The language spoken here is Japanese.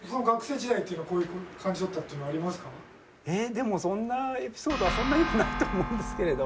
でもそんなエピソードはそんなにはないと思うんですけれど。